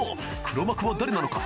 黒幕は誰なのか？